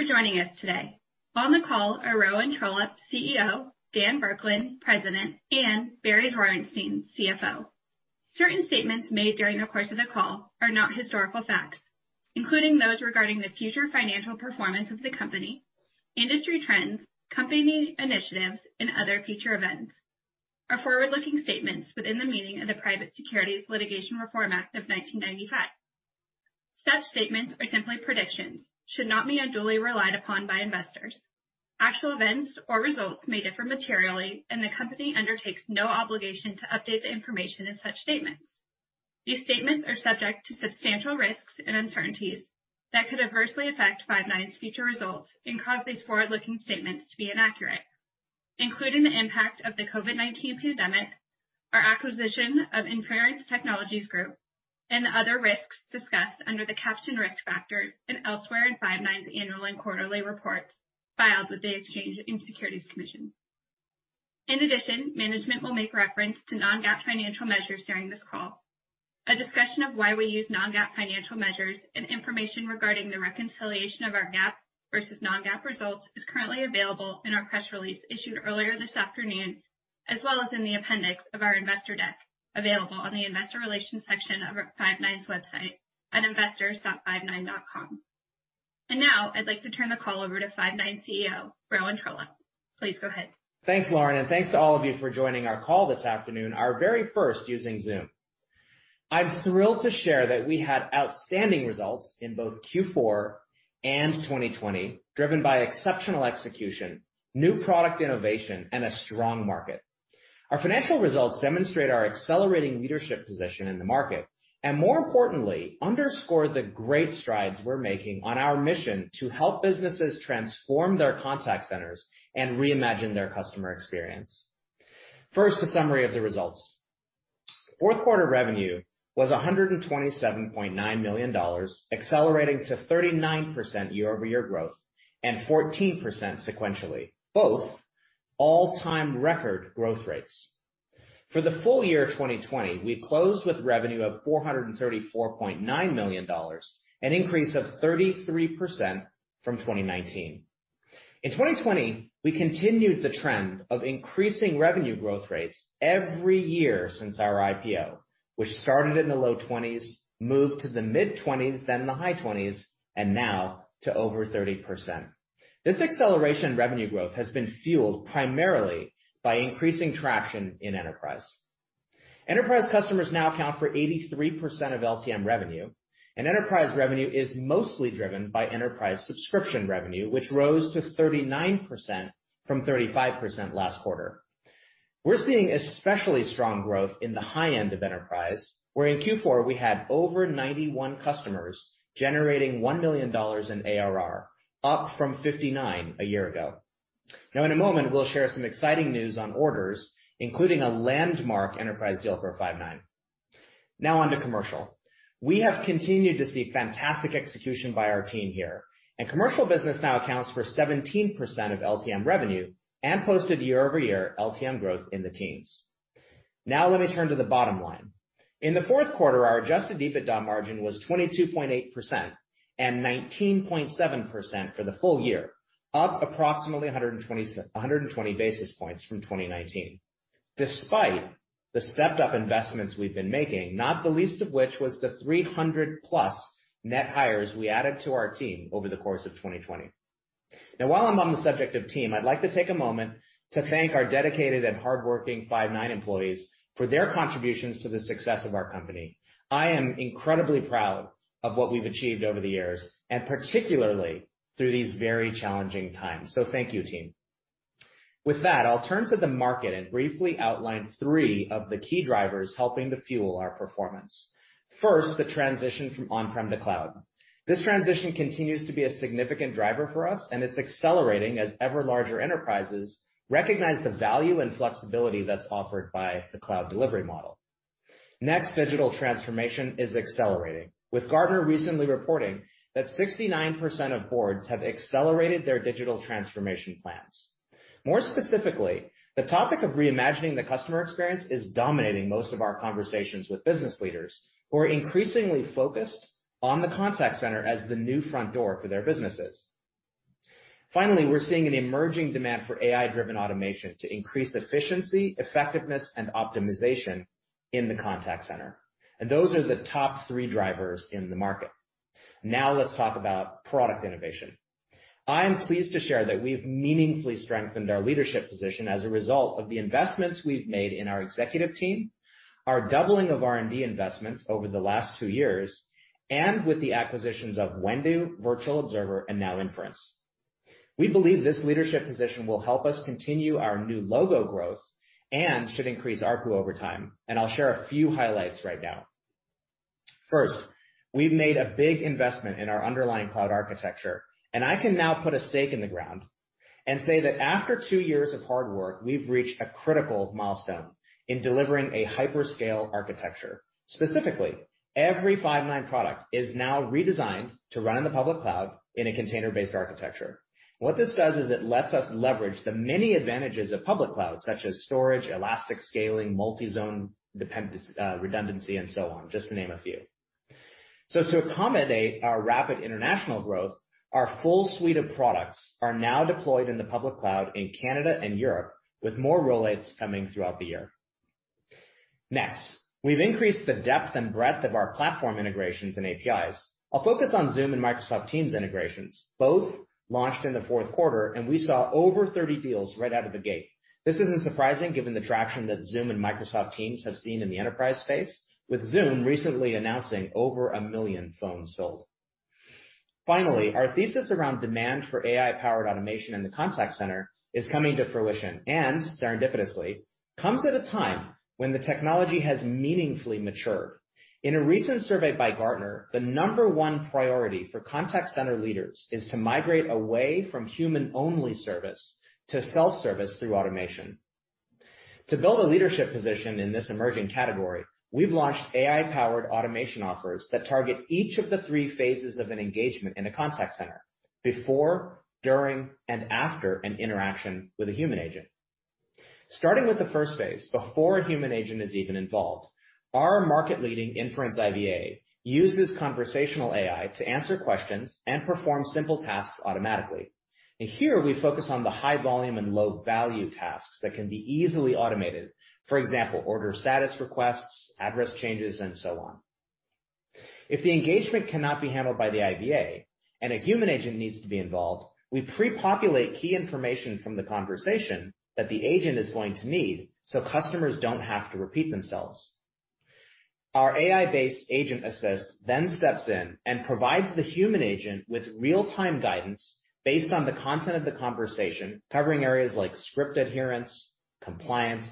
Thank you for joining us today. On the call are Rowan Trollope, CEO, Dan Burkland, President, and Barry Zwarenstein, CFO. Certain statements made during the course of the call are not historical facts, including those regarding the future financial performance of the company, industry trends, company initiatives, and other future events are forward-looking statements within the meaning of the Private Securities Litigation Reform Act of 1995. Such statements are simply predictions, should not be unduly relied upon by investors. Actual events or results may differ materially, and the company undertakes no obligation to update the information in such statements. These statements are subject to substantial risks and uncertainties that could adversely affect Five9's future results and cause these forward-looking statements to be inaccurate, including the impact of the COVID-19 pandemic, our acquisition of Inference Technologies Group, and other risks discussed under the caption Risk Factors and elsewhere in Five9's annual and quarterly reports filed with the Securities and Exchange Commission. In addition, management will make reference to non-GAAP financial measures during this call. A discussion of why we use non-GAAP financial measures and information regarding the reconciliation of our GAAP versus non-GAAP results is currently available in our press release issued earlier this afternoon, as well as in the appendix of our investor deck available on the investor relations section of Five9's website at investors.five9.com. Now I'd like to turn the call over to Five9 CEO, Rowan Trollope. Please go ahead. Thanks, Lauren. Thanks to all of you for joining our call this afternoon, our very first using Zoom. I'm thrilled to share that we had outstanding results in both Q4 and 2020, driven by exceptional execution, new product innovation, and a strong market. Our financial results demonstrate our accelerating leadership position in the market, and more importantly, underscore the great strides we're making on our mission to help businesses transform their contact centers and reimagine their customer experience. First, a summary of the results. Fourth quarter revenue was $127.9 million, accelerating to 39% year-over-year growth and 14% sequentially, both all-time record growth rates. For the full year 2020, we closed with revenue of $434.9 million, an increase of 33% from 2019. In 2020, we continued the trend of increasing revenue growth rates every year since our IPO, which started in the low 20s, moved to the mid-20s, then the high 20s, and now to over 30%. This acceleration revenue growth has been fueled primarily by increasing traction in enterprise. Enterprise customers now account for 83% of LTM revenue, and enterprise revenue is mostly driven by enterprise subscription revenue, which rose to 39% from 35% last quarter. We're seeing especially strong growth in the high end of enterprise, where in Q4 we had over 91 customers generating $1 million in ARR, up from 59 a year ago. In a moment, we'll share some exciting news on orders, including a landmark enterprise deal for Five9. On to commercial. We have continued to see fantastic execution by our team here, and commercial business now accounts for 17% of LTM revenue and posted year-over-year LTM growth in the teens. Now let me turn to the bottom line. In the fourth quarter, our adjusted EBITDA margin was 22.8% and 19.7% for the full year, up approximately 120 basis points from 2019. Despite the stepped-up investments we've been making, not the least of which was the 300+ net hires we added to our team over the course of 2020. Now while I'm on the subject of team, I'd like to take a moment to thank our dedicated and hardworking Five9 employees for their contributions to the success of our company. I am incredibly proud of what we've achieved over the years, and particularly through these very challenging times. Thank you, team. With that, I'll turn to the market and briefly outline three of the key drivers helping to fuel our performance. First, the transition from on-prem to cloud. This transition continues to be a significant driver for us, and it's accelerating as ever larger enterprises recognize the value and flexibility that's offered by the cloud delivery model. Next, digital transformation is accelerating. With Gartner recently reporting that 69% of boards have accelerated their digital transformation plans. More specifically, the topic of reimagining the customer experience is dominating most of our conversations with business leaders, who are increasingly focused on the contact center as the new front door for their businesses. Finally, we're seeing an emerging demand for AI-driven automation to increase efficiency, effectiveness, and optimization in the contact center. Those are the top three drivers in the market. Now let's talk about product innovation. I am pleased to share that we've meaningfully strengthened our leadership position as a result of the investments we've made in our executive team, our doubling of R&D investments over the last two years, and with the acquisitions of Whendu, Virtual Observer, and now Inference. We believe this leadership position will help us continue our new logo growth and should increase ARPU over time. I'll share a few highlights right now. First, we've made a big investment in our underlying cloud architecture, and I can now put a stake in the ground and say that after two years of hard work, we've reached a critical milestone in delivering a hyperscale architecture. Specifically, every Five9 product is now redesigned to run in the public cloud in a container-based architecture. What this does is it lets us leverage the many advantages of public cloud, such as storage, elastic scaling, multi-zone redundancy, and so on, just to name a few. To accommodate our rapid international growth, our full suite of products are now deployed in the public cloud in Canada and Europe, with more rollouts coming throughout the year. Next, we've increased the depth and breadth of our platform integrations and APIs. I'll focus on Zoom and Microsoft Teams integrations, both launched in the fourth quarter, and we saw over 30 deals right out of the gate. This isn't surprising given the traction that Zoom and Microsoft Teams have seen in the enterprise space, with Zoom recently announcing over a million phones sold. Finally, our thesis around demand for AI-powered automation in the contact center is coming to fruition and serendipitously comes at a time when the technology has meaningfully matured. In a recent survey by Gartner, the number one priority for contact center leaders is to migrate away from human-only service to self-service through automation. To build a leadership position in this emerging category, we've launched AI-powered automation offers that target each of the three phases of an engagement in a contact center before, during, and after an interaction with a human agent. Starting with the first phase, before a human agent is even involved, our market-leading Inference IVA uses conversational AI to answer questions and perform simple tasks automatically. Here, we focus on the high-volume and low-value tasks that can be easily automated. For example, order status requests, address changes, and so on. If the engagement cannot be handled by the IVA and a human agent needs to be involved, we pre-populate key information from the conversation that the agent is going to need so customers don't have to repeat themselves. Our AI-based Agent Assist then steps in and provides the human agent with real-time guidance based on the content of the conversation, covering areas like script adherence, compliance,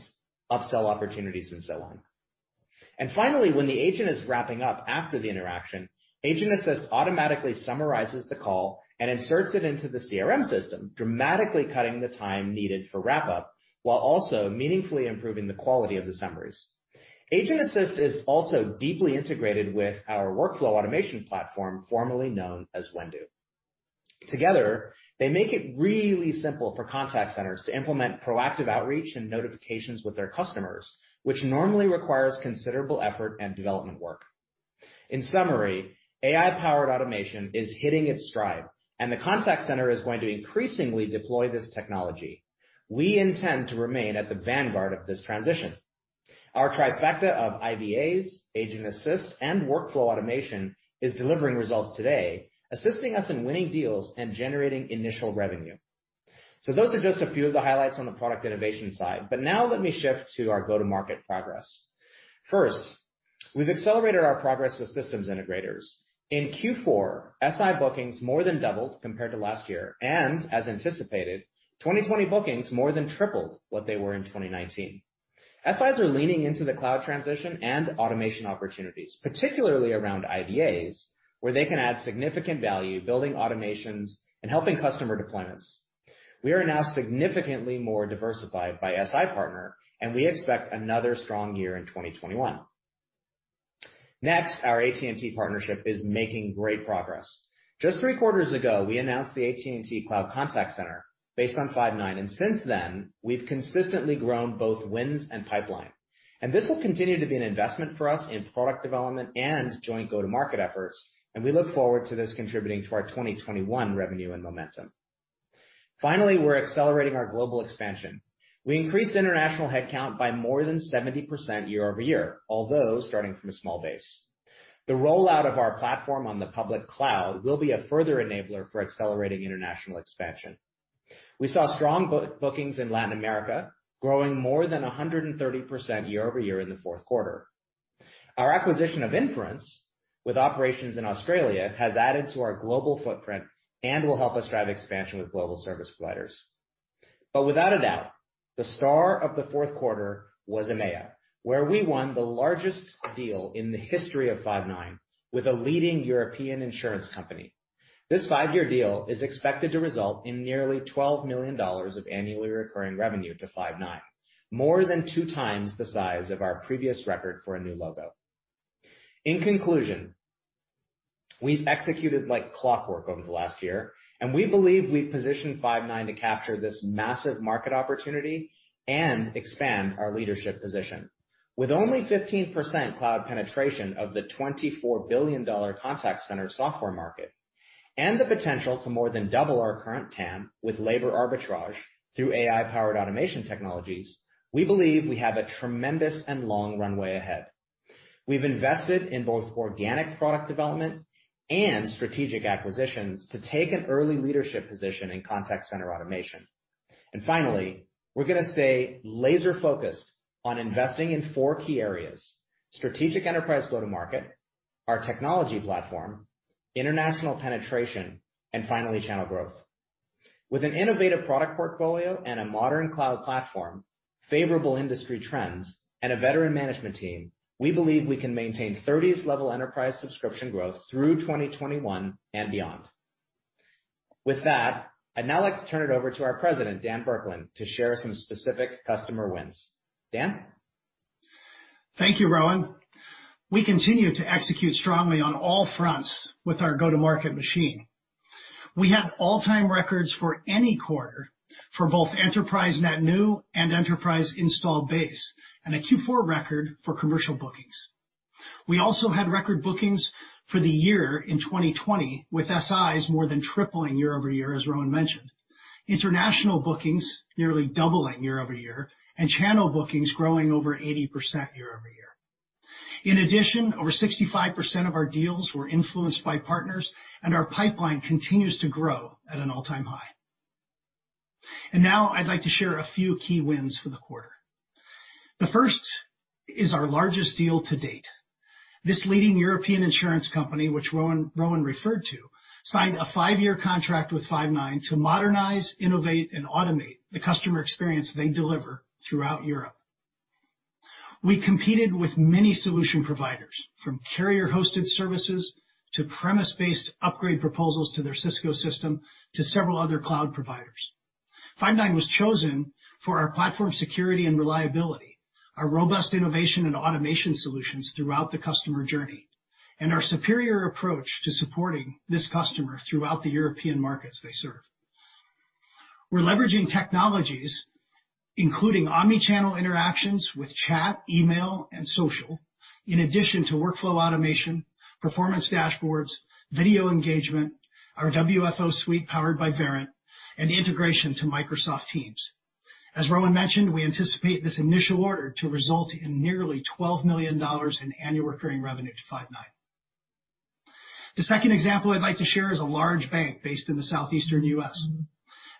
upsell opportunities, and so on. Finally, when the agent is wrapping up after the interaction, Agent Assist automatically summarizes the call and inserts it into the CRM system, dramatically cutting the time needed for wrap-up while also meaningfully improving the quality of the summaries. Agent Assist is also deeply integrated with our workflow automation platform, formerly known as Whendu. Together, they make it really simple for contact centers to implement proactive outreach and notifications with their customers, which normally requires considerable effort and development work. In summary, AI-powered automation is hitting its stride, and the contact center is going to increasingly deploy this technology. We intend to remain at the vanguard of this transition. Our trifecta of IVAs, Agent Assist, and workflow automation is delivering results today, assisting us in winning deals and generating initial revenue. Those are just a few of the highlights on the product innovation side. Now let me shift to our go-to-market progress. First, we've accelerated our progress with systems integrators. In Q4, SI bookings more than doubled compared to last year. As anticipated, 2020 bookings more than tripled what they were in 2019. SIs are leaning into the cloud transition and automation opportunities, particularly around IVAs, where they can add significant value building automations and helping customer deployments. We are now significantly more diversified by SI partner, we expect another strong year in 2021. Next, our AT&T partnership is making great progress. Just three quarters ago, we announced the AT&T Cloud Contact Center based on Five9, since then, we've consistently grown both wins and pipeline. This will continue to be an investment for us in product development and joint go-to-market efforts, we look forward to this contributing to our 2021 revenue and momentum. Finally, we're accelerating our global expansion. We increased international headcount by more than 70% year-over-year, although starting from a small base. The rollout of our platform on the public cloud will be a further enabler for accelerating international expansion. We saw strong bookings in Latin America, growing more than 130% year-over-year in the fourth quarter. Our acquisition of Inference with operations in Australia has added to our global footprint and will help us drive expansion with global service providers. Without a doubt, the star of the fourth quarter was EMEA, where we won the largest deal in the history of Five9 with a leading European insurance company. This five-year deal is expected to result in nearly $12 million of annually recurring revenue to Five9, more than 2x the size of our previous record for a new logo. In conclusion, we've executed like clockwork over the last year, and we believe we've positioned Five9 to capture this massive market opportunity and expand our leadership position. With only 15% cloud penetration of the $24 billion contact center software market and the potential to more than double our current TAM with labor arbitrage through AI-powered automation technologies, we believe we have a tremendous and long runway ahead. We've invested in both organic product development and strategic acquisitions to take an early leadership position in contact center automation. Finally, we're going to stay laser-focused on investing in four key areas: strategic enterprise go-to-market, our technology platform, international penetration, and finally, channel growth. With an innovative product portfolio and a modern cloud platform, favorable industry trends, and a veteran management team, we believe we can maintain 30s level enterprise subscription growth through 2021 and beyond. With that, I'd now like to turn it over to our president, Dan Burkland, to share some specific customer wins. Dan? Thank you, Rowan. We continue to execute strongly on all fronts with our go-to-market machine. We had all-time records for any quarter for both enterprise net new and enterprise installed base, and a Q4 record for commercial bookings. We also had record bookings for the year in 2020, with SIs more than tripling year-over-year, as Rowan mentioned. International bookings nearly doubling year-over-year, and channel bookings growing over 80% year-over-year. In addition, over 65% of our deals were influenced by partners, and our pipeline continues to grow at an all-time high. Now I'd like to share a few key wins for the quarter. The first is our largest deal to date. This leading European insurance company, which Rowan referred to, signed a five-year contract with Five9 to modernize, innovate, and automate the customer experience they deliver throughout Europe. We competed with many solution providers, from carrier-hosted services to premise-based upgrade proposals to their Cisco system, to several other cloud providers. Five9 was chosen for our platform security and reliability, our robust innovation and automation solutions throughout the customer journey, and our superior approach to supporting this customer throughout the European markets they serve. We're leveraging technologies including omni-channel interactions with chat, email, and social, in addition to workflow automation, performance dashboards, video engagement, our WFO suite powered by Verint, and integration to Microsoft Teams. As Rowan mentioned, we anticipate this initial order to result in nearly $12 million in annual recurring revenue to Five9. The second example I'd like to share is a large bank based in the Southeastern U.S.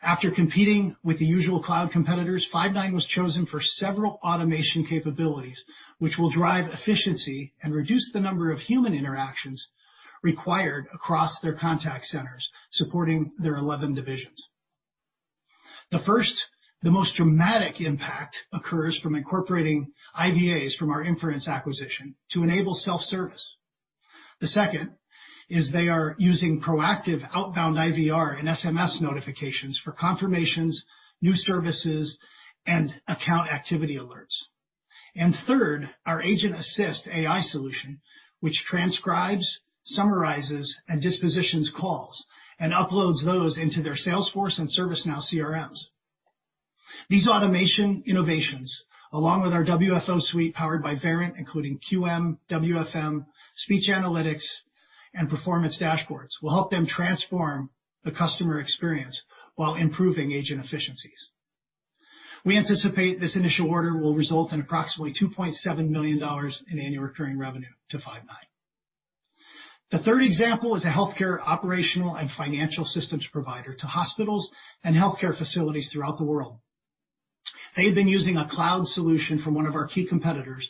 After competing with the usual cloud competitors, Five9 was chosen for several automation capabilities, which will drive efficiency and reduce the number of human interactions required across their contact centers, supporting their 11 divisions. The first, the most dramatic impact occurs from incorporating IVAs from our Inference acquisition to enable self-service. The second is they are using proactive outbound IVR and SMS notifications for confirmations, new services, and account activity alerts. Third, our Agent Assist AI solution, which transcribes, summarizes, and dispositions calls and uploads those into their Salesforce and ServiceNow CRMs. These automation innovations, along with our WFO suite powered by Verint, including QM, WFM, speech analytics, and performance dashboards, will help them transform the customer experience while improving agent efficiencies. We anticipate this initial order will result in approximately $2.7 million in annual recurring revenue to Five9. The third example is a healthcare operational and financial systems provider to hospitals and healthcare facilities throughout the world. They had been using a cloud solution from one of our key competitors,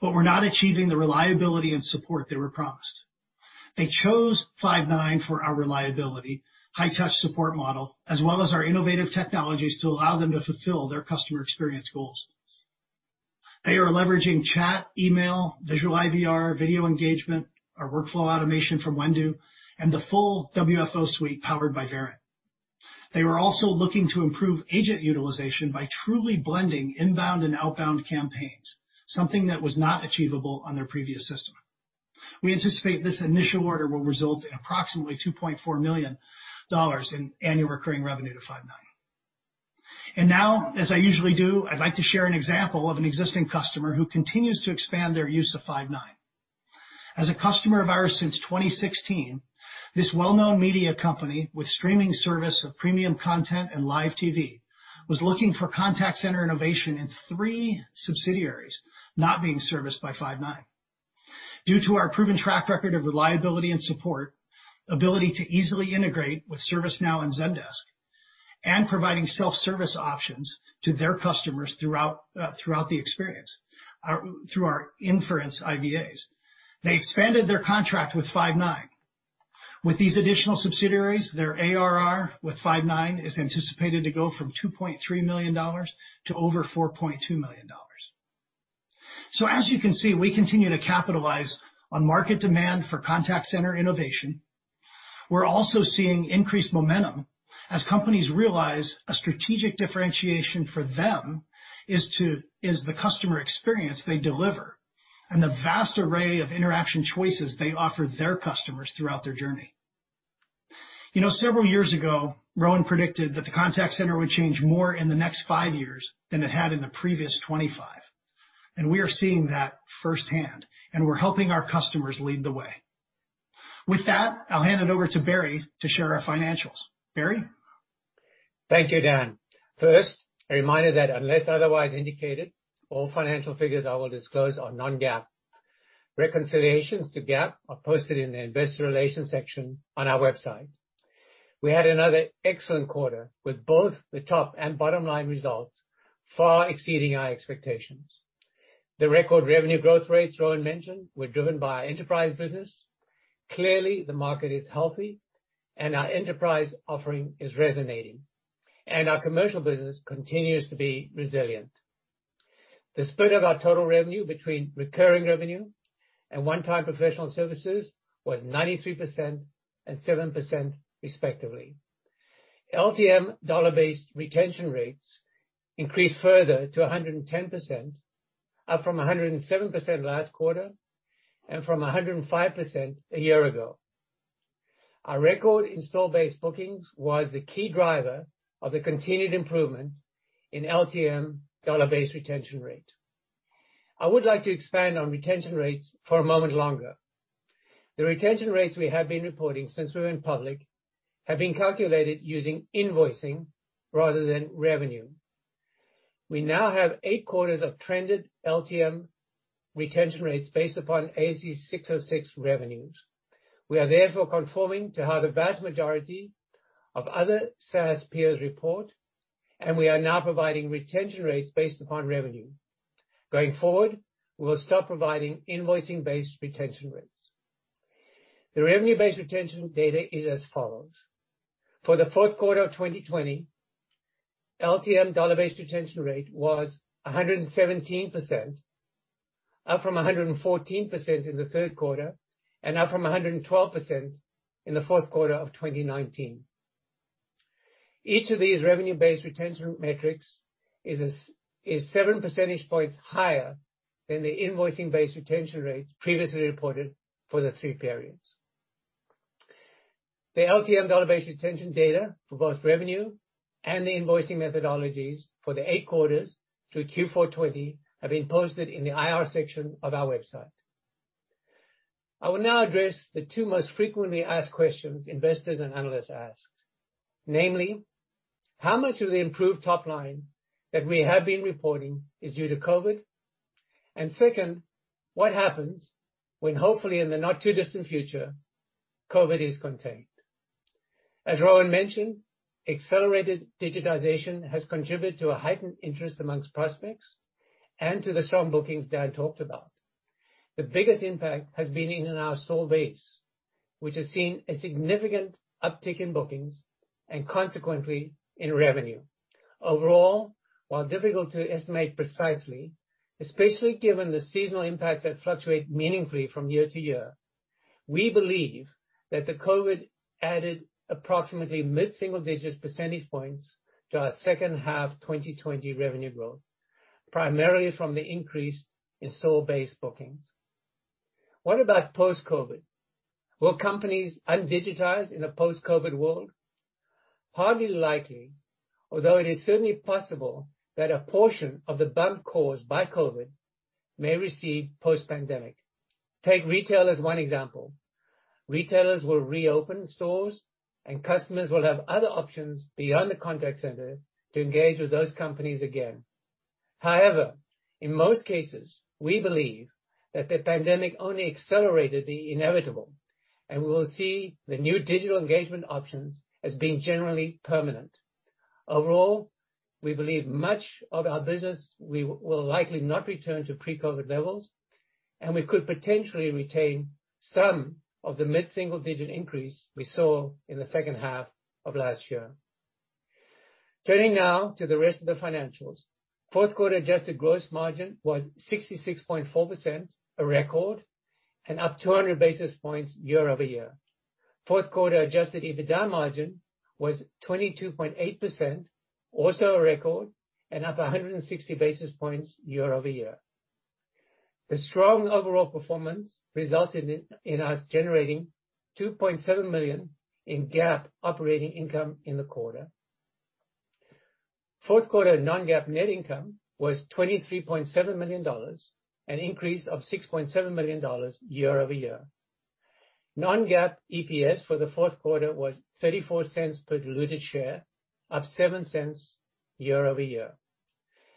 but were not achieving the reliability and support they were promised. They chose Five9 for our reliability, high touch support model, as well as our innovative technologies to allow them to fulfill their customer experience goals. They are leveraging chat, email, Visual IVR, video engagement, our workflow automation from Whendu, and the full WFO suite powered by Verint. They were also looking to improve agent utilization by truly blending inbound and outbound campaigns, something that was not achievable on their previous system. We anticipate this initial order will result in approximately $2.4 million in annual recurring revenue to Five9. As I usually do, I'd like to share an example of an existing customer who continues to expand their use of Five9. As a customer of ours since 2016, this well-known media company with streaming service of premium content and live TV was looking for contact center innovation in three subsidiaries not being serviced by Five9. Due to our proven track record of reliability and support, ability to easily integrate with ServiceNow and Zendesk, and providing self-service options to their customers throughout the experience through our Inference IVAs, they expanded their contract with Five9. With these additional subsidiaries, their ARR with Five9 is anticipated to go from $2.3 million to over $4.2 million. As you can see, we continue to capitalize on market demand for contact center innovation. We're also seeing increased momentum as companies realize a strategic differentiation for them is the customer experience they deliver and the vast array of interaction choices they offer their customers throughout their journey. Several years ago, Rowan predicted that the contact center would change more in the next five years than it had in the previous 25. We are seeing that firsthand, and we're helping our customers lead the way. With that, I'll hand it over to Barry to share our financials. Barry? Thank you, Dan. First, a reminder that unless otherwise indicated, all financial figures I will disclose are non-GAAP. Reconciliations to GAAP are posted in the investor relations section on our website. We had another excellent quarter with both the top and bottom line results far exceeding our expectations. The record revenue growth rates Rowan mentioned were driven by our enterprise business. Clearly, the market is healthy, and our enterprise offering is resonating, and our commercial business continues to be resilient. The split of our total revenue between recurring revenue and one-time professional services was 93% and 7% respectively. LTM dollar-based retention rates increased further to 110%, up from 107% last quarter, and from 105% a year ago. Our record install base bookings was the key driver of the continued improvement in LTM dollar-based retention rate. I would like to expand on retention rates for a moment longer. The retention rates we have been reporting since we went public have been calculated using invoicing rather than revenue. We now have eight quarters of trended LTM retention rates based upon ASC 606 revenues. We are therefore conforming to how the vast majority of other SaaS peers report, and we are now providing retention rates based upon revenue. Going forward, we will stop providing invoicing-based retention rates. The revenue-based retention data is as follows. For the fourth quarter of 2020, LTM dollar-based retention rate was 117%, up from 114% in the third quarter, and up from 112% in the fourth quarter of 2019. Each of these revenue-based retention metrics is 7 percentage points higher than the invoicing-based retention rates previously reported for the three periods. The LTM dollar-based retention data for both revenue and the invoicing methodologies for the eight quarters through Q4 2020 have been posted in the IR section of our website. I will now address the two most frequently asked questions investors and analysts ask. Namely, how much of the improved top line that we have been reporting is due to COVID? Second, what happens when hopefully in the not too distant future, COVID is contained? As Rowan mentioned, accelerated digitization has contributed to a heightened interest amongst prospects and to the strong bookings Dan talked about. The biggest impact has been in our install base, which has seen a significant uptick in bookings, and consequently, in revenue. Overall, while difficult to estimate precisely, especially given the seasonal impacts that fluctuate meaningfully from year to year, we believe that the COVID added approximately mid-single digits percentage points to our second half 2020 revenue growth, primarily from the increase in store base bookings. What about post-COVID? Will companies undigitize in a post-COVID world? Hardly likely, although it is certainly possible that a portion of the bump caused by COVID may recede post-pandemic. Take retail as one example. Retailers will reopen stores, and customers will have other options beyond the contact center to engage with those companies again. However, in most cases, we believe that the pandemic only accelerated the inevitable, and we will see the new digital engagement options as being generally permanent. Overall, we believe much of our business will likely not return to pre-COVID levels, and we could potentially retain some of the mid-single digit increase we saw in the second half of last year. Turning now to the rest of the financials. Fourth quarter adjusted gross margin was 66.4%, a record, and up 200 basis points year-over-year. Fourth quarter adjusted EBITDA margin was 22.8%, also a record, and up 160 basis points year-over-year. The strong overall performance resulted in us generating $2.7 million in GAAP operating income in the quarter. Fourth quarter non-GAAP net income was $23.7 million, an increase of $6.7 million year-over-year. Non-GAAP EPS for the fourth quarter was $0.34 per diluted share, up $0.07 year-over-year.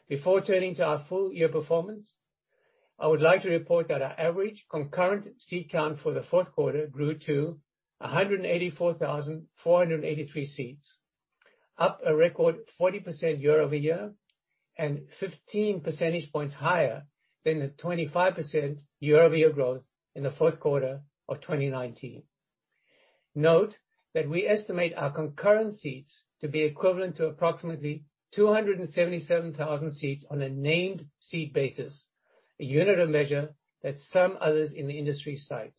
Before turning to our full year performance, I would like to report that our average concurrent seat count for the fourth quarter grew to 184,483 seats. Up a record 40% year-over-year and 15 percentage points higher than the 25% year-over-year growth in the fourth quarter of 2019. Note that we estimate our concurrent seats to be equivalent to approximately 277,000 seats on a named seat basis, a unit of measure that some others in the industry cite.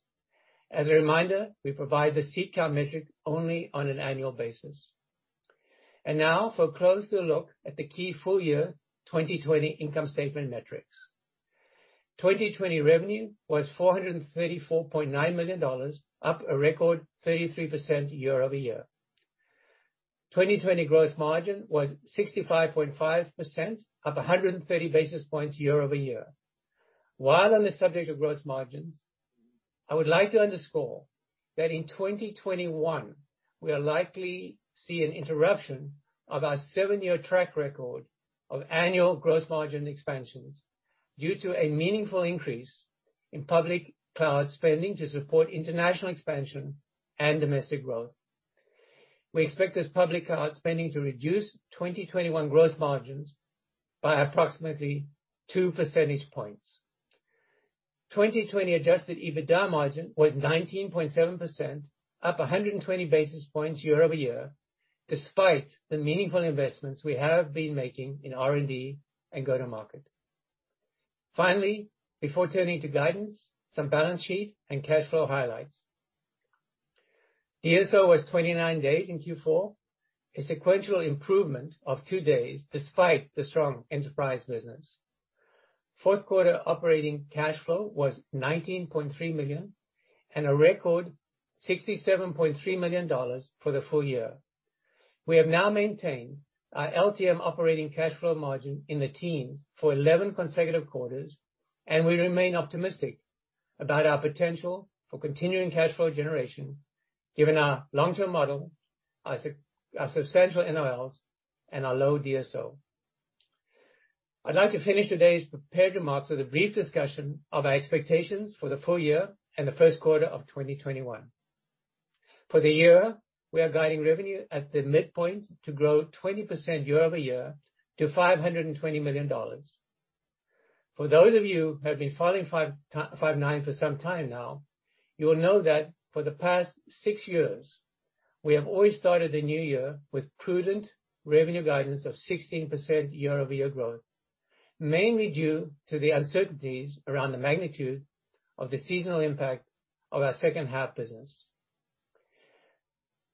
As a reminder, we provide the seat count metric only on an annual basis. Now for a closer look at the key full year 2020 income statement metrics. 2020 revenue was $434.9 million, up a record 33% year-over-year. 2020 gross margin was 65.5%, up 130 basis points year-over-year. While on the subject of gross margins, I would like to underscore that in 2021, we'll likely see an interruption of our seven-year track record of annual gross margin expansions due to a meaningful increase in public cloud spending to support international expansion and domestic growth. We expect this public cloud spending to reduce 2021 gross margins by approximately two percentage points. 2020 adjusted EBITDA margin was 19.7%, up 120 basis points year-over-year, despite the meaningful investments we have been making in R&D and go-to-market. Finally, before turning to guidance, some balance sheet and cash flow highlights. DSO was 29 days in Q4, a sequential improvement of two days despite the strong enterprise business. Fourth quarter operating cash flow was $19.3 million, and a record $67.3 million for the full year. We have now maintained our LTM operating cash flow margin in the teens for 11 consecutive quarters. We remain optimistic about our potential for continuing cash flow generation, given our long-term model, our substantial NOLs, and our low DSO. I'd like to finish today's prepared remarks with a brief discussion of our expectations for the full year and the first quarter of 2021. For the year, we are guiding revenue at the midpoint to grow 20% year-over-year to $520 million. For those of you who have been following Five9 for some time now, you will know that for the past six years, we have always started the new year with prudent revenue guidance of 16% year-over-year growth, mainly due to the uncertainties around the magnitude of the seasonal impact of our second half business.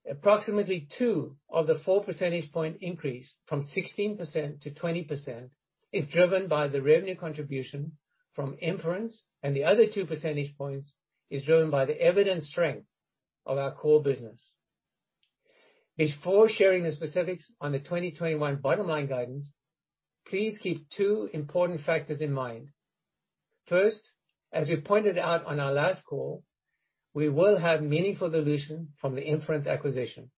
Approximately 2 of the 4 percentage point increase from 16% to 20% is driven by the revenue contribution from Inference, and the other two percentage points is driven by the evident strength of our core business. Before sharing the specifics on the 2021 bottom line guidance, please keep two important factors in mind. First, as we pointed out on our last call, we will have meaningful dilution from the Inference acquisition.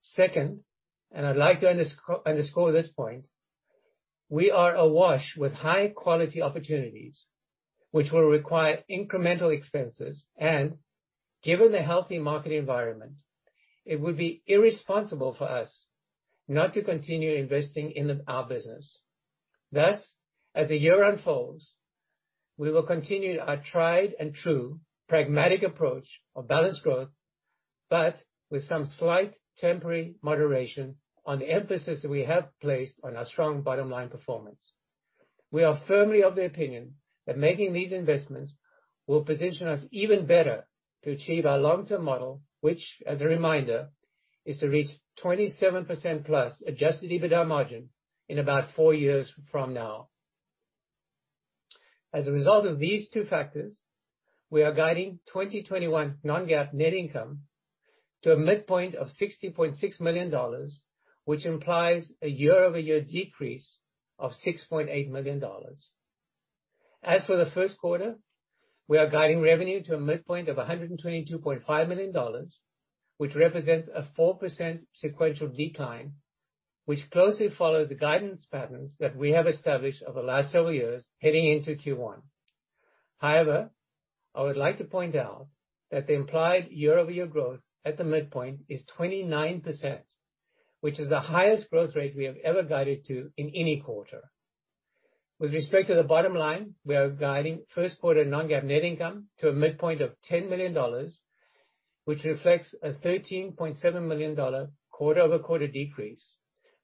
Second, I'd like to underscore this point, we are awash with high-quality opportunities, which will require incremental expenses. Given the healthy market environment, it would be irresponsible for us not to continue investing in our business. Thus, as the year unfolds, we will continue our tried and true pragmatic approach of balanced growth, but with some slight temporary moderation on the emphasis that we have placed on our strong bottom-line performance. We are firmly of the opinion that making these investments will position us even better to achieve our long-term model, which, as a reminder, is to reach 27%+ adjusted EBITDA margin in about four years from now. As a result of these two factors, we are guiding 2021 non-GAAP net income to a midpoint of $60.6 million, which implies a year-over-year decrease of $6.8 million. As for the first quarter, we are guiding revenue to a midpoint of $122.5 million, which represents a 4% sequential decline, which closely follows the guidance patterns that we have established over the last several years heading into Q1. However, I would like to point out that the implied year-over-year growth at the midpoint is 29%, which is the highest growth rate we have ever guided to in any quarter. With respect to the bottom line, we are guiding first quarter non-GAAP net income to a midpoint of $10 million, which reflects a $13.7 million quarter-over-quarter decrease,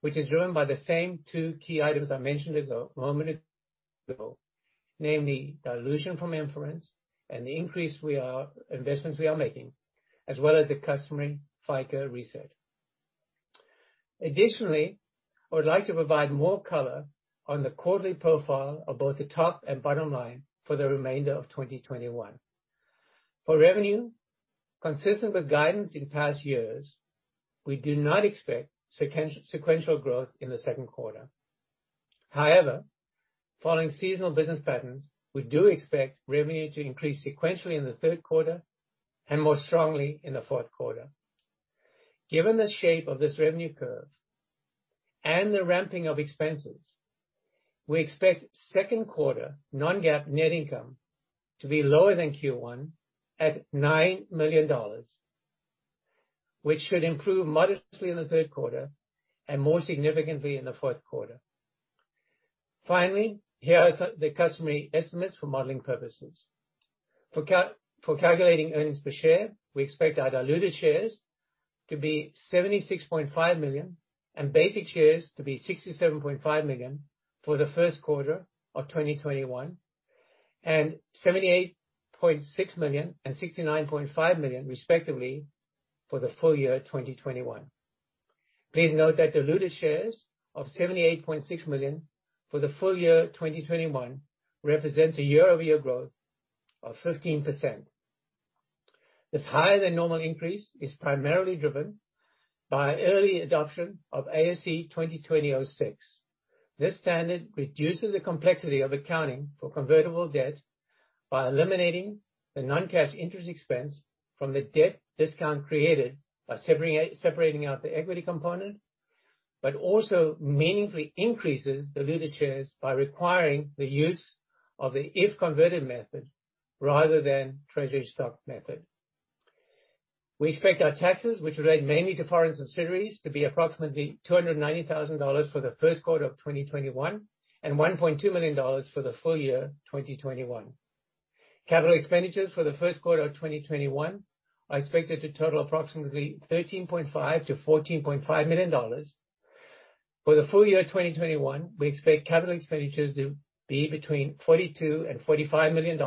which is driven by the same two key items I mentioned a moment ago, namely dilution from Inference and the increase investments we are making, as well as the customary FICA reset. Additionally, I would like to provide more color on the quarterly profile of both the top and bottom line for the remainder of 2021. For revenue, consistent with guidance in past years, we do not expect sequential growth in the second quarter. However, following seasonal business patterns, we do expect revenue to increase sequentially in the third quarter and more strongly in the fourth quarter. Given the shape of this revenue curve and the ramping of expenses, we expect second quarter non-GAAP net income to be lower than Q1 at $9 million, which should improve modestly in the third quarter and more significantly in the fourth quarter. Finally, here are the customary estimates for modeling purposes. For calculating earnings per share, we expect our diluted shares to be 76.5 million and basic shares to be 67.5 million for the first quarter of 2021, and 78.6 million and 69.5 million, respectively, for the full year 2021. Please note that diluted shares of 78.6 million for the full year 2021 represents a year-over-year growth of 15%. This higher than normal increase is primarily driven by early adoption of ASC 2020-06. This standard reduces the complexity of accounting for convertible debt by eliminating the non-cash interest expense from the debt discount created by separating out the equity component, but also meaningfully increases the diluted shares by requiring the use of the if-converted method rather than treasury stock method. We expect our taxes, which relate mainly to foreign subsidiaries, to be approximately $290,000 for the first quarter of 2021 and $1.2 million for the full year 2021. Capital expenditures for the first quarter of 2021 are expected to total approximately $13.5 million-$14.5 million. For the full year 2021, we expect capital expenditures to be between $42 million and $45 million.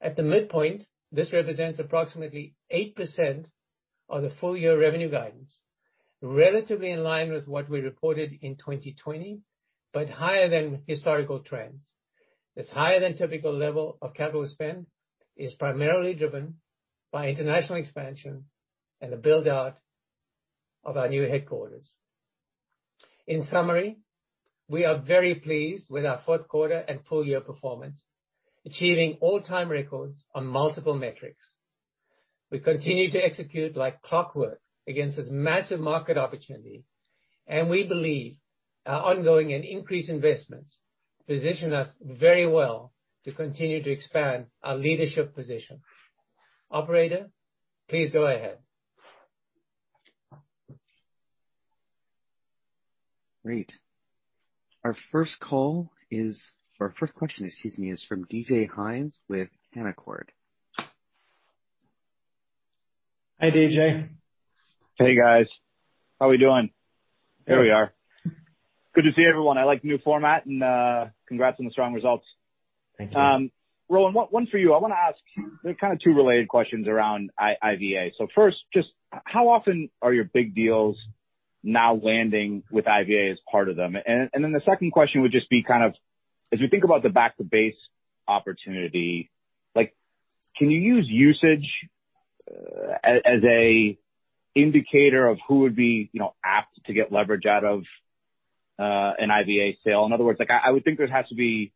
At the midpoint, this represents approximately 8% of the full-year revenue guidance, relatively in line with what we reported in 2020. Higher than historical trends. This higher than typical level of capital spend is primarily driven by international expansion and the build-out of our new headquarters. In summary, we are very pleased with our fourth quarter and full year performance, achieving all-time records on multiple metrics. We continue to execute like clockwork against this massive market opportunity. We believe our ongoing and increased investments position us very well to continue to expand our leadership position. Operator, please go ahead. Great. Our first question is from DJ Hynes with Canaccord. Hi, DJ. Hey, guys. How we doing? Here we are. Good to see everyone. I like the new format, and congrats on the strong results. Thank you. Rowan, one for you. I want to ask two related questions around IVA. First, just how often are your big deals now landing with IVA as part of them? The second question would just be, as you think about the back of base opportunity, can you use usage as an indicator of who would be apt to get leverage out of an IVA sale? In other words, I would think there has to be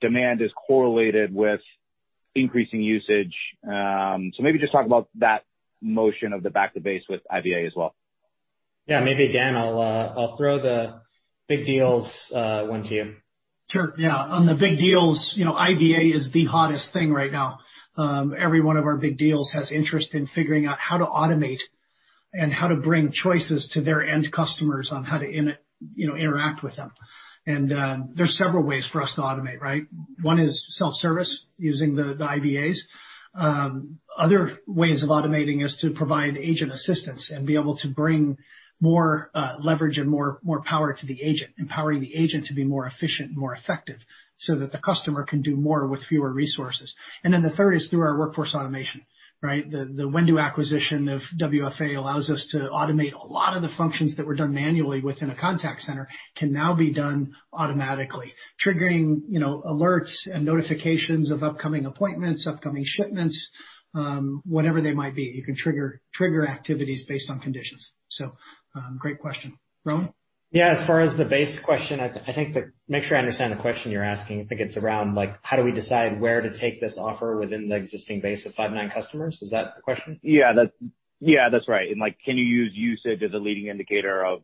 demand is correlated with increasing usage. Maybe just talk about that motion of the back of base with IVA as well. Maybe Dan, I'll throw the big deals one to you. Sure, yeah. On the big deals, IVA is the hottest thing right now. Every one of our big deals has interest in figuring out how to automate and how to bring choices to their end customers on how to interact with them. There's several ways for us to automate, right? One is self-service using the IVAs. Other ways of automating is to provide Agent Assist and be able to bring more leverage and more power to the agent, empowering the agent to be more efficient and more effective so that the customer can do more with fewer resources. Then the third is through our workforce automation, right? The Whendu acquisition of WFA allows us to automate a lot of the functions that were done manually within a contact center can now be done automatically, triggering alerts and notifications of upcoming appointments, upcoming shipments, whatever they might be. You can trigger activities based on conditions. Great question. Rowan? Yeah, as far as the base question, I think to make sure I understand the question you're asking, I think it's around how do we decide where to take this offer within the existing base of Five9 customers? Is that the question? Yeah, that's right. Can you use usage as a leading indicator of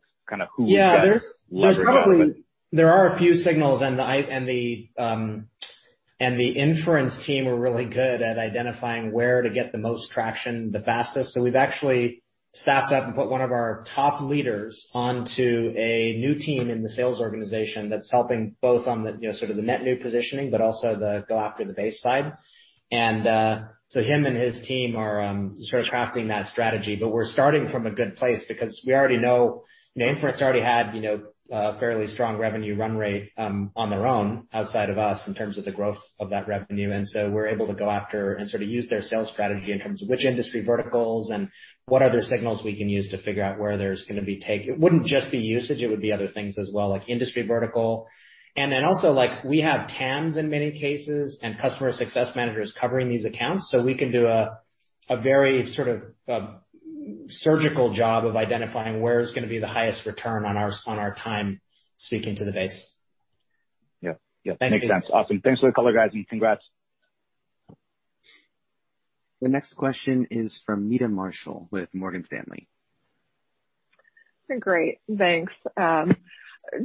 who would best leverage that? There are a few signals, and the Inference team are really good at identifying where to get the most traction the fastest. We've actually staffed up and put one of our top leaders onto a new team in the sales organization that's helping both on the net new positioning, but also the go after the base side. Him and his team are sort of crafting that strategy. We're starting from a good place because we already know Inference's already had a fairly strong revenue run rate on their own outside of us in terms of the growth of that revenue. We're able to go after and use their sales strategy in terms of which industry verticals and what other signals we can use to figure out where there's going to be take. It wouldn't just be usage, it would be other things as well, like industry vertical. Also we have TAMs in many cases, and customer success managers covering these accounts. We can do a very surgical job of identifying where is going to be the highest return on our time speaking to the base. Yep. Makes sense. Awesome. Thanks for the color, guys, and congrats. The next question is from Meta Marshall with Morgan Stanley. Great, thanks.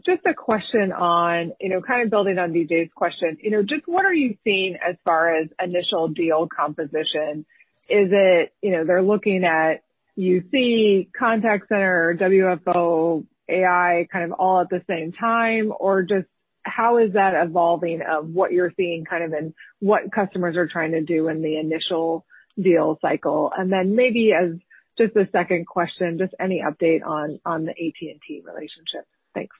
Just a question on, kind of building on DJ's question. Just what are you seeing as far as initial deal composition? Is it they're looking at UC, contact center, WFO, AI, all at the same time? Just how is that evolving of what you're seeing in what customers are trying to do in the initial deal cycle? Then maybe as just a second question, just any update on the AT&T relationship? Thanks.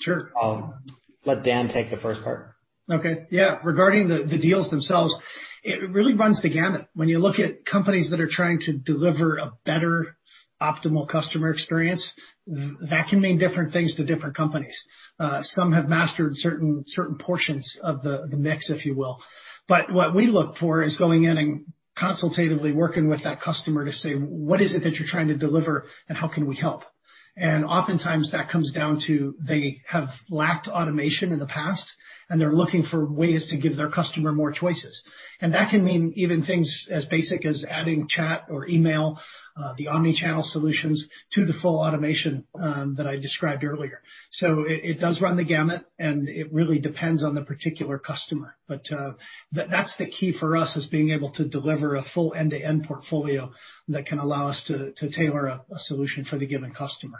Sure. I'll let Dan take the first part. Okay. Yeah. Regarding the deals themselves, it really runs the gamut. When you look at companies that are trying to deliver a better optimal customer experience, that can mean different things to different companies. Some have mastered certain portions of the mix, if you will. What we look for is going in and consultatively working with that customer to say, "What is it that you're trying to deliver, and how can we help?" Oftentimes that comes down to they have lacked automation in the past, and they're looking for ways to give their customer more choices. That can mean even things as basic as adding chat or email, the omni-channel solutions to the full automation that I described earlier. It does run the gamut, and it really depends on the particular customer. That's the key for us is being able to deliver a full end-to-end portfolio that can allow us to tailor a solution for the given customer.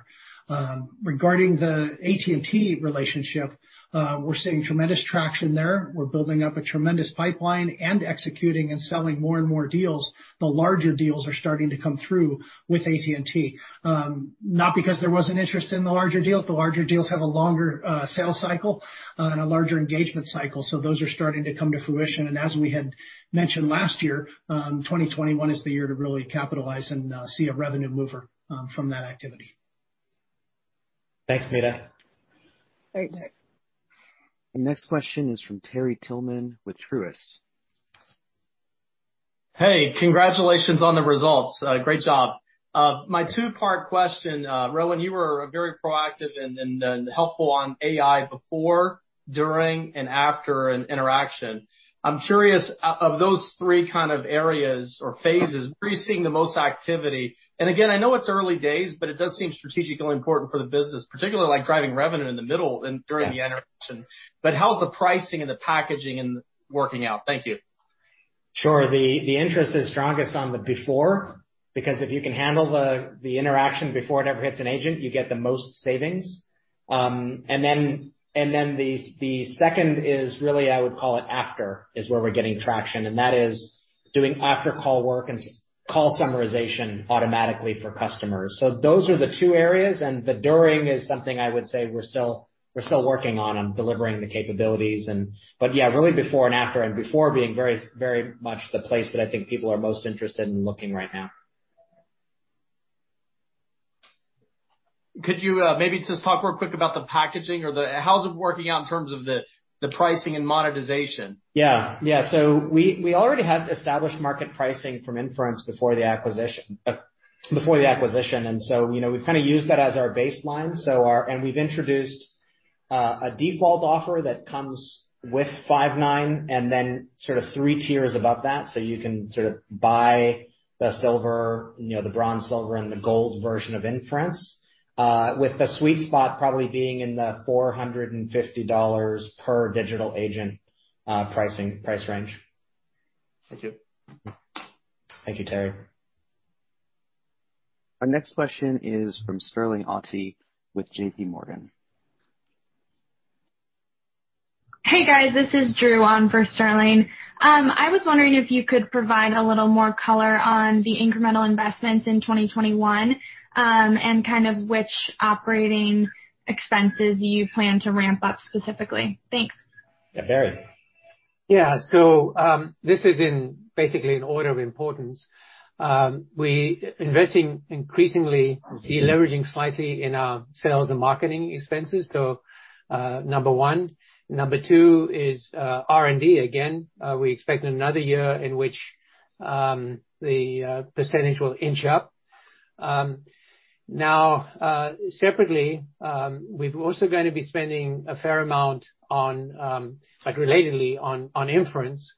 Regarding the AT&T relationship, we're seeing tremendous traction there. We're building up a tremendous pipeline and executing and selling more and more deals. The larger deals are starting to come through with AT&T. Not because there wasn't interest in the larger deals. The larger deals have a longer sales cycle and a larger engagement cycle. Those are starting to come to fruition. As we had mentioned last year, 2021 is the year to really capitalize and see a revenue mover from that activity. Thanks, Meta. Great. Thanks. The next question is from Terry Tillman with Truist. Hey, congratulations on the results. Great job. My two-part question, Rowan, you were very proactive and helpful on AI before, during, and after an interaction. I'm curious, of those three areas or phases, where are you seeing the most activity? Again, I know it's early days, it does seem strategically important for the business, particularly driving revenue in the middle and during the interaction. How's the pricing and the packaging working out? Thank you. Sure. The interest is strongest on the before, because if you can handle the interaction before it ever hits an agent, you get the most savings. The second is really, I would call it after, is where we're getting traction, and that is doing after-call work and call summarization automatically for customers. Those are the two areas, and the during is something I would say we're still working on delivering the capabilities. Yeah, really before and after, and before being very much the place that I think people are most interested in looking right now. Could you maybe just talk real quick about the packaging or how is it working out in terms of the pricing and monetization? Yeah. We already had established market pricing from Inference before the acquisition. We've used that as our baseline. We've introduced a default offer that comes with Five9 and then sort of three tiers above that. You can buy the bronze, silver and the gold version of Inference, with the sweet spot probably being in the $450 per digital agent price range. Thank you. Thank you, Terry. Our next question is from Sterling Auty with JPMorgan. Hey, guys, this is Drew on for Sterling. I was wondering if you could provide a little more color on the incremental investments in 2021. Which operating expenses you plan to ramp up specifically. Thanks. Yeah, Barry. This is basically in order of importance. We're investing increasingly, deleveraging slightly in our sales and marketing expenses. Number one. Number two is R&D. Again, we expect another year in which the percentage will inch up. Separately, we're also going to be spending a fair amount relatedly on Inference.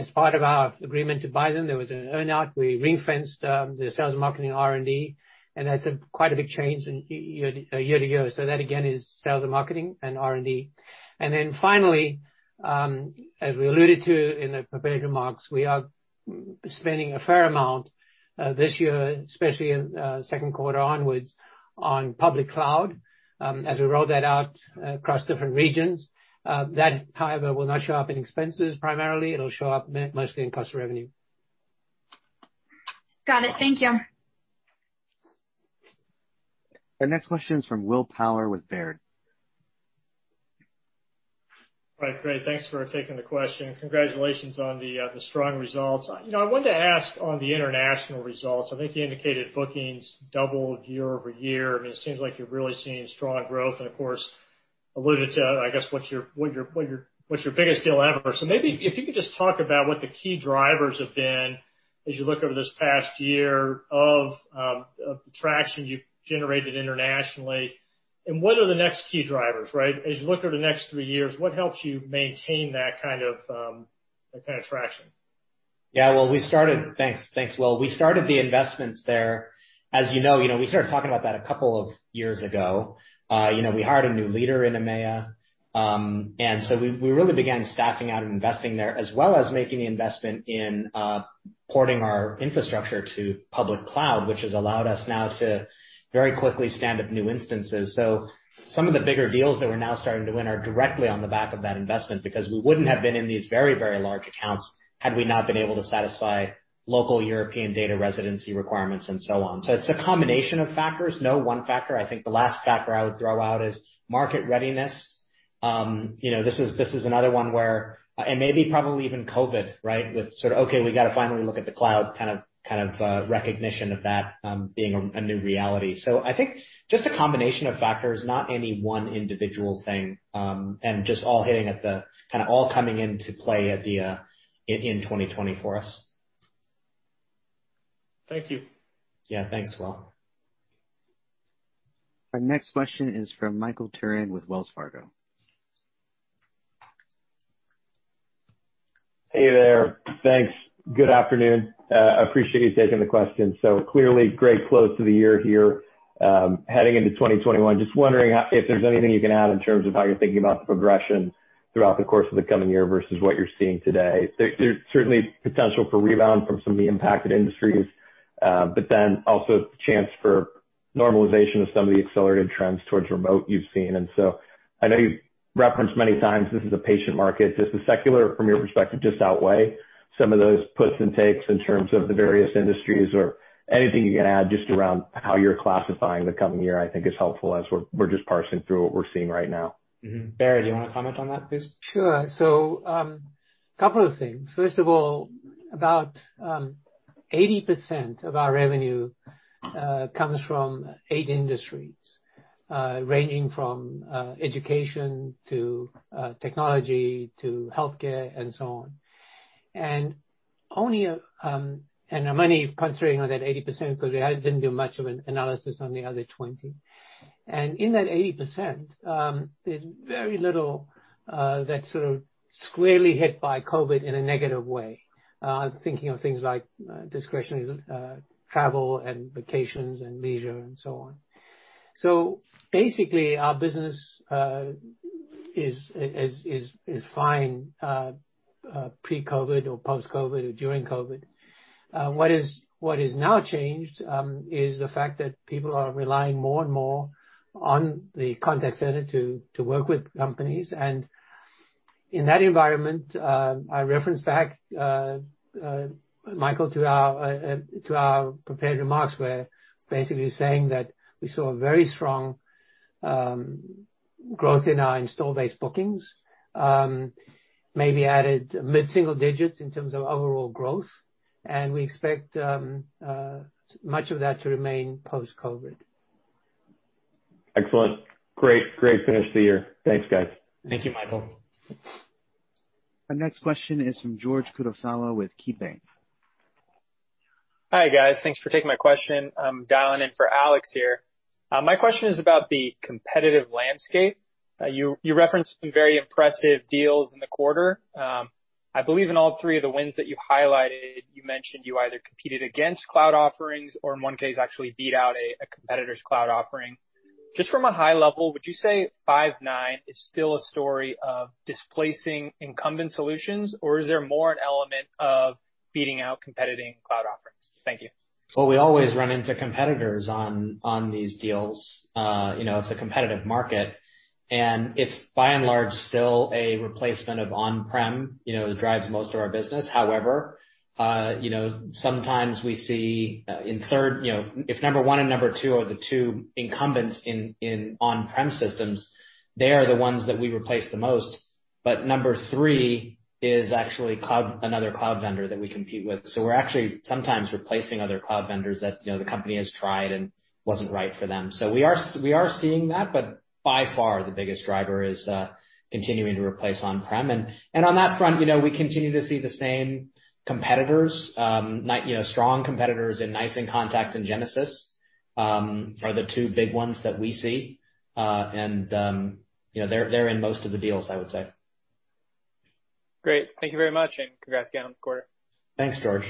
As part of our agreement to buy them, there was an earn-out. We ring-fenced the sales and marketing R&D, and that's quite a big change year-to-year. That again, is sales and marketing and R&D. Finally, as we alluded to in the prepared remarks, we are spending a fair amount this year, especially in second quarter onwards, on public cloud, as we roll that out across different regions. That, however, will not show up in expenses primarily. It'll show up mostly in cost revenue. Got it. Thank you. The next question is from Will Power with Baird. Right. Great. Thanks for taking the question. Congratulations on the strong results. I wanted to ask on the international results, I think you indicated bookings doubled year-over-year. It seems like you're really seeing strong growth and of course, alluded to, I guess, what's your biggest deal ever. Maybe if you could just talk about what the key drivers have been as you look over this past year of the traction you've generated internationally, and what are the next key drivers? As you look over the next three years, what helps you maintain that kind of traction? Yeah. Thanks, Will. We started the investments there. As you know, we started talking about that a couple of years ago. We hired a new leader in EMEA. We really began staffing out and investing there, as well as making the investment in porting our infrastructure to public cloud, which has allowed us now to very quickly stand up new instances. Some of the bigger deals that we're now starting to win are directly on the back of that investment, because we wouldn't have been in these very large accounts had we not been able to satisfy local European data residency requirements and so on. It's a combination of factors, no one factor. I think the last factor I would throw out is market readiness. This is another one maybe probably even COVID, with sort of, "Okay, we got to finally look at the cloud" kind of recognition of that being a new reality. I think just a combination of factors, not any one individual thing, and just all coming into play in 2020 for us. Thank you. Yeah. Thanks, Will. Our next question is from Michael Turrin with Wells Fargo. Hey there. Thanks. Good afternoon. Appreciate you taking the question. Clearly, great close to the year here heading into 2021. Just wondering if there's anything you can add in terms of how you're thinking about the progression throughout the course of the coming year versus what you're seeing today. There's certainly potential for rebound from some of the impacted industries, but then also chance for normalization of some of the accelerated trends towards remote you've seen. I know you've referenced many times this is a patient market. Does the secular, from your perspective, just outweigh some of those puts and takes in terms of the various industries? Anything you can add just around how you're classifying the coming year, I think is helpful as we're just parsing through what we're seeing right now. Barry, do you want to comment on that, please? Sure. Couple of things. About 80% of our revenue comes from eight industries, ranging from education to technology to healthcare and so on. Our money is concentrating on that 80% because we didn't do much of an analysis on the other 20%. In that 80%, there's very little that's sort of squarely hit by COVID in a negative way. I'm thinking of things like discretionary travel and vacations and leisure and so on. Basically, our business is fine pre-COVID or post-COVID or during COVID. What has now changed is the fact that people are relying more and more on the contact center to work with companies. In that environment, I reference back, Michael, to our prepared remarks where basically saying that we saw very strong growth in our install base bookings. Maybe added mid-single digits in terms of overall growth, and we expect much of that to remain post-COVID. Excellent. Great finish to the year. Thanks, guys. Thank you, Michael. Our next question is from George Kurosawa with KeyBanc. Hi, guys. Thanks for taking my question. I'm dialing in for Alex here. My question is about the competitive landscape. You referenced some very impressive deals in the quarter. I believe in all three of the wins that you highlighted, you mentioned you either competed against cloud offerings or in one case, actually beat out a competitor's cloud offering. Just from a high level, would you say Five9 is still a story of displacing incumbent solutions, or is there more an element of beating out competing cloud offerings? Thank you. Well, we always run into competitors on these deals. It's a competitive market. It's by and large, still a replacement of on-prem, that drives most of our business. However, sometimes we see if number one and number two are the two incumbents in on-prem systems, they are the ones that we replace the most. Number three is actually another cloud vendor that we compete with. We're actually sometimes replacing other cloud vendors that the company has tried and wasn't right for them. We are seeing that. By far the biggest driver is continuing to replace on-prem. On that front, we continue to see the same competitors. Strong competitors in NICE inContact and Genesys, are the two big ones that we see. They're in most of the deals, I would say. Great. Thank you very much, and congrats again on the quarter. Thanks, George.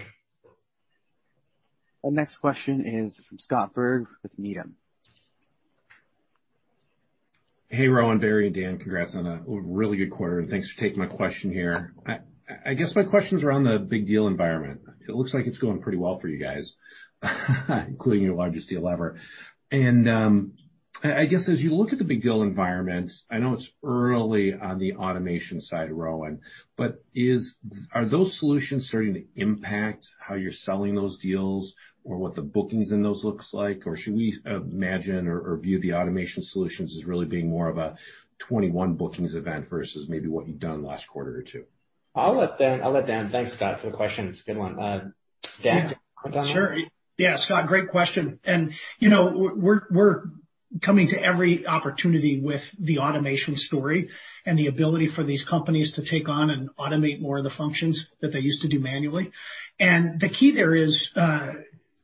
Our next question is from Scott Berg with Needham. Hey, Rowan, Barry, and Dan. Congrats on a really good quarter, and thanks for taking my question here. I guess my questions are on the big deal environment. It looks like it's going pretty well for you guys, including your largest deal ever. I guess as you look at the big deal environment, I know it's early on the automation side, Rowan, but are those solutions starting to impact how you're selling those deals or what the bookings in those looks like? Should we imagine or view the automation solutions as really being more of a 2021 bookings event versus maybe what you've done the last quarter or two? I'll let Dan. Thanks, Scott, for the question. It's a good one. Dan, do you want to comment? Yeah, Scott, great question. We're coming to every opportunity with the automation story and the ability for these companies to take on and automate more of the functions that they used to do manually. The key there is,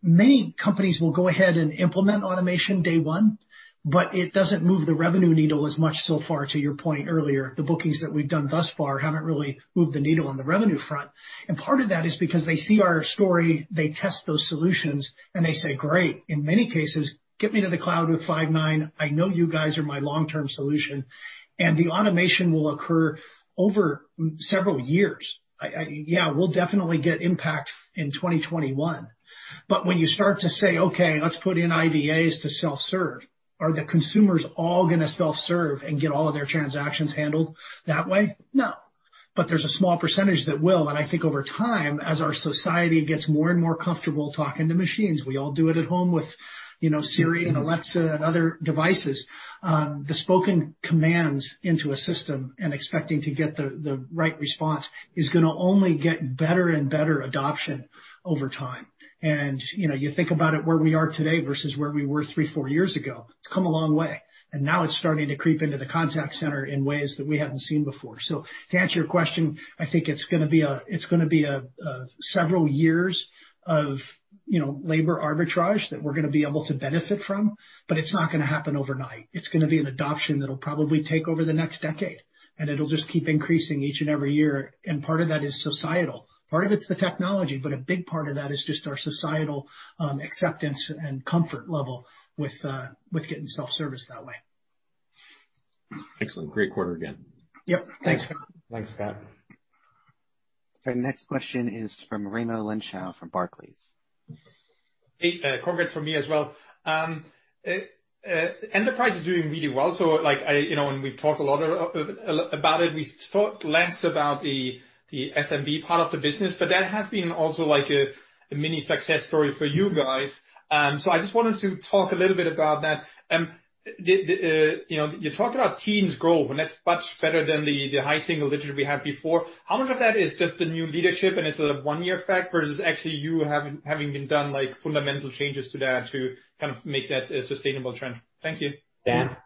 many companies will go ahead and implement automation day one, but it doesn't move the revenue needle as much so far, to your point earlier. The bookings that we've done thus far haven't really moved the needle on the revenue front. Part of that is because they see our story, they test those solutions, and they say, "Great." In many cases, "Get me to the cloud with Five9. I know you guys are my long-term solution." The automation will occur over several years. Yeah, we'll definitely get impact in 2021. When you start to say, "Okay, let's put in IVRs to self-serve," are the consumers all going to self-serve and get all of their transactions handled that way? No. There's a small percentage that will, and I think over time, as our society gets more and more comfortable talking to machines, we all do it at home with Siri and Alexa and other devices. The spoken commands into a system and expecting to get the right response is going to only get better and better adoption over time. You think about it where we are today versus where we were three, four years ago. It's come a long way, and now it's starting to creep into the contact center in ways that we haven't seen before. To answer your question, I think it's going to be several years of labor arbitrage that we're going to be able to benefit from, but it's not going to happen overnight. It's going to be an adoption that'll probably take over the next decade, and it'll just keep increasing each and every year, and part of that is societal. Part of it's the technology, but a big part of that is just our societal acceptance and comfort level with getting self-serviced that way. Excellent. Great quarter again. Yep. Thanks. Thanks, Scott. Our next question is from Raimo Lenschow from Barclays. Hey, congrats from me as well. Enterprise is doing really well. When we talk a lot about it, we talk less about the SMB part of the business, but that has been also like a mini success story for you guys. I just wanted to talk a little bit about that. You talked about teens growth, and that's much better than the high single-digit we had before. How much of that is just the new leadership, and it's a one-year effect, versus actually you having been done like fundamental changes to that to kind of make that a sustainable trend? Thank you. Dan?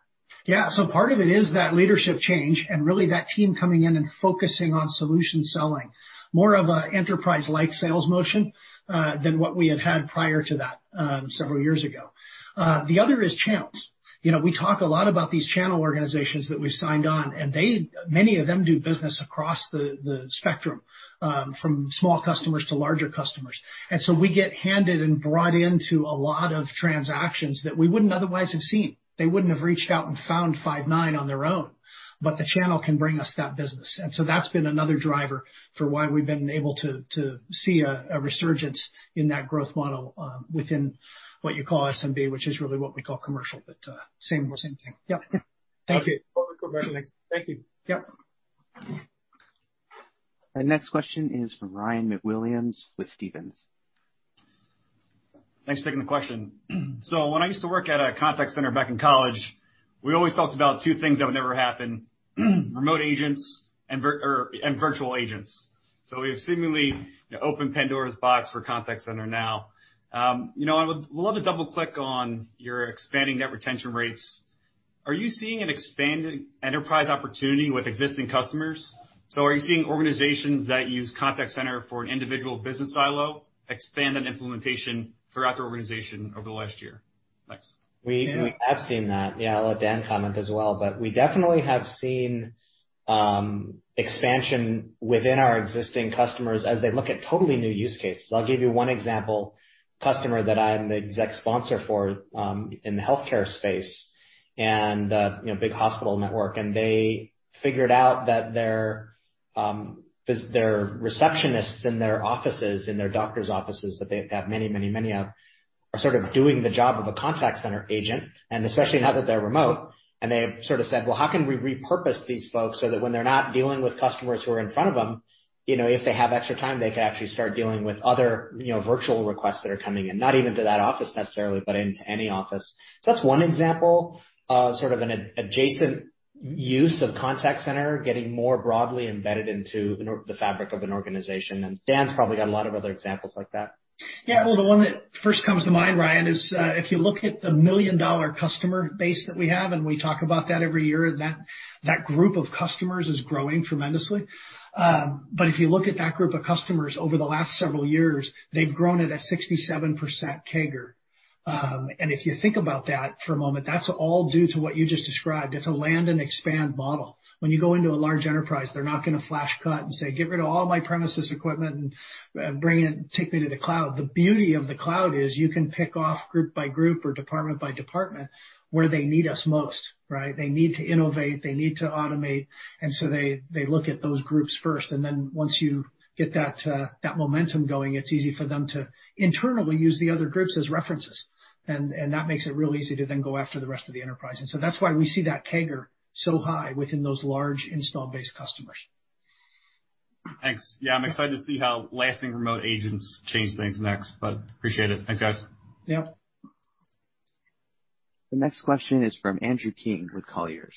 Yeah. Part of it is that leadership change and really that team coming in and focusing on solution selling, more of an enterprise-like sales motion than what we had had prior to that several years ago. The other is channels. We talk a lot about these channel organizations that we've signed on, and many of them do business across the spectrum, from small customers to larger customers. We get handed and brought into a lot of transactions that we wouldn't otherwise have seen. They wouldn't have reached out and found Five9 on their own, but the channel can bring us that business. That's been another driver for why we've been able to see a resurgence in that growth model within what you call SMB, which is really what we call commercial, but same thing. Yep. Okay. Well, congratulations. Thank you. Yep. The next question is from Ryan MacWilliams with Stephens. Thanks for taking the question. When I used to work at a contact center back in college, we always talked about two things that would never happen, remote agents and virtual agents. We've seemingly opened Pandora's box for contact center now. I would love to double-click on your expanding net retention rates. Are you seeing an expanding enterprise opportunity with existing customers? Are you seeing organizations that use contact center for an individual business silo expand that implementation throughout their organization over the last year? Thanks. Yeah. We have seen that. Yeah, I'll let Dan comment as well, but we definitely have seen expansion within our existing customers as they look at totally new use cases. I'll give you one example. Customer that I'm the exec sponsor for in the healthcare space, and a big hospital network, and they figured out that their receptionists in their offices, in their doctor's offices that they have many of, are sort of doing the job of a contact center agent, and especially now that they're remote, and they sort of said, "Well, how can we repurpose these folks so that when they're not dealing with customers who are in front of them, if they have extra time, they can actually start dealing with other virtual requests that are coming in, not even to that office necessarily, but into any office?" That's one example of sort of an adjacent use of contact center getting more broadly embedded into the fabric of an organization. Dan's probably got a lot of other examples like that. Well, the one that first comes to mind, Ryan, is if you look at the million-dollar customer base that we have, we talk about that every year, that group of customers is growing tremendously. If you look at that group of customers over the last several years, they've grown at a 67% CAGR. If you think about that for a moment, that's all due to what you just described. It's a land and expand model. When you go into a large enterprise, they're not going to flash cut and say, "Get rid of all my premises equipment and take me to the cloud." The beauty of the cloud is you can pick off group by group or department by department where they need us most. Right? They need to innovate. They need to automate. They look at those groups first, and then once you get that momentum going, it's easy for them to internally use the other groups as references. That makes it real easy to then go after the rest of the enterprise. That's why we see that CAGR so high within those large install-based customers. Thanks. I'm excited to see how lasting remote agents change things next, but appreciate it. Thanks, guys. Yep. The next question is from Andrew King with Colliers.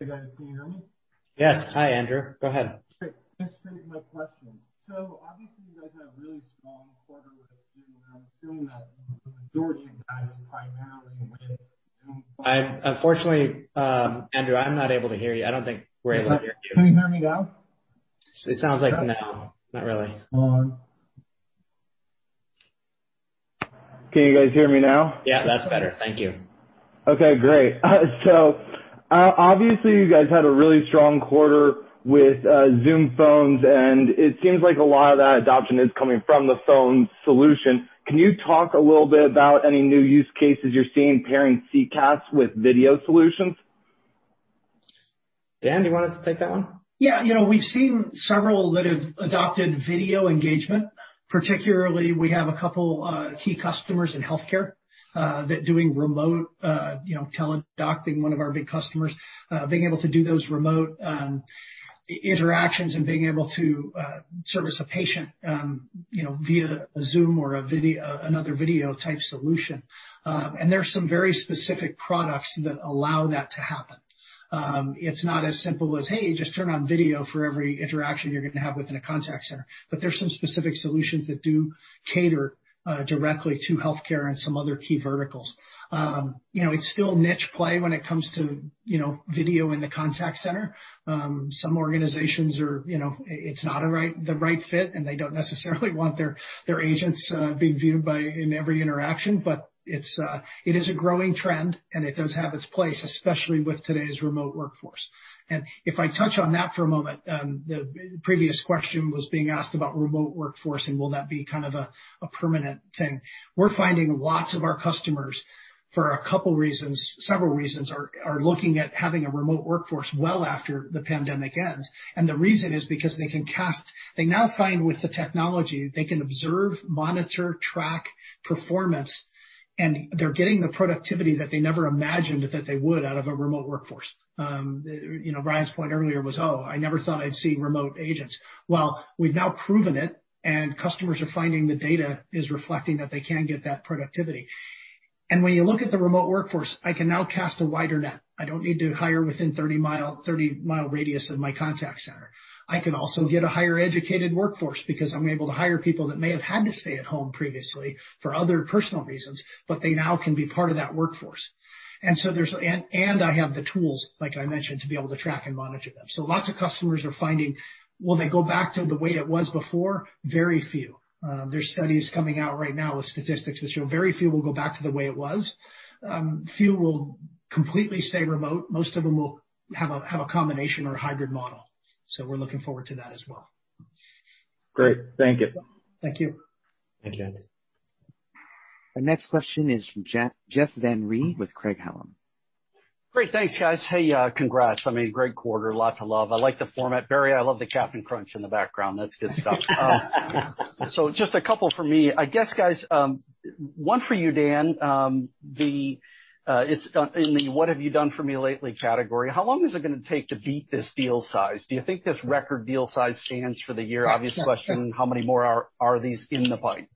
Hey, guys. Can you hear me? Yes. Hi, Andrew. Go ahead. Great. Let's take my questions. Obviously, you guys had a really strong quarter with Zoom, and I'm assuming that the majority of. Unfortunately, Andrew, I'm not able to hear you. I don't think we're able to hear you. Can you hear me now? It sounds like no, not really. Hold on. Can you guys hear me now? Yeah, that's better. Thank you. Okay, great. Obviously, you guys had a really strong quarter with Zoom Phone, and it seems like a lot of that adoption is coming from the phone solution. Can you talk a little bit about any new use cases you're seeing pairing CCaaS with video solutions? Dan, do you want us to take that one? Yeah. We've seen several that have adopted video engagement. Particularly, we have a couple key customers in healthcare that doing remote, Teladoc being one of our big customers, being able to do those remote interactions and being able to service a patient via Zoom or another video type solution. There's some very specific products that allow that to happen. It's not as simple as, hey, just turn on video for every interaction you're going to have within a contact center. There's some specific solutions that do cater directly to healthcare and some other key verticals. It's still niche play when it comes to video in the contact center. Some organizations it's not the right fit, and they don't necessarily want their agents being viewed in every interaction. It is a growing trend, and it does have its place, especially with today's remote workforce. If I touch on that for a moment, the previous question was being asked about remote workforce, and will that be kind of a permanent thing. We're finding lots of our customers, for several reasons, are looking at having a remote workforce well after the pandemic ends. The reason is because they now find with the technology, they can observe, monitor, track performance, and they're getting the productivity that they never imagined that they would out of a remote workforce. Ryan's point earlier was, oh, I never thought I'd see remote agents. Well, we've now proven it, and customers are finding the data is reflecting that they can get that productivity. When you look at the remote workforce, I can now cast a wider net. I don't need to hire within 30 mi radius of my contact center. I can also get a higher educated workforce because I'm able to hire people that may have had to stay at home previously for other personal reasons, but they now can be part of that workforce. I have the tools, like I mentioned, to be able to track and monitor them. Lots of customers are finding, will they go back to the way it was before? Very few. There's studies coming out right now with statistics that show very few will go back to the way it was. Few will completely stay remote. Most of them will have a combination or a hybrid model. We're looking forward to that as well. Great. Thank you. Thank you. Thank you. Our next question is from Jeff Van Rhee with Craig-Hallum. Great. Thanks guys. Hey, congrats. Great quarter. A lot to love. I like the format. Barry, I love the Cap'n Crunch in the background. That's good stuff. Just a couple from me. I guess, guys, one for you, Dan. In the what have you done for me lately category, how long is it gonna take to beat this deal size? Do you think this record deal size stands for the year? Obvious question, how many more are these in the pipe?